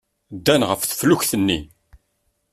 Ddan ɣef teflukt-nni.